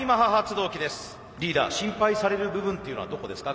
リーダー心配される部分っていうのはどこですか？